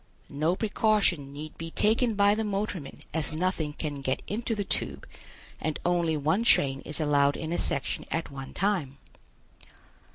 No precaution need be taken by the motorman as nothing can get into the tube and only one train is allowed in a section at one time.